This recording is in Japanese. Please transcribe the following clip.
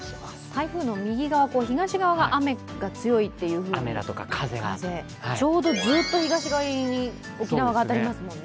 台風の右側、東側が雨が強いというふうにちょうどずっと東側に沖縄が当たりますもんね。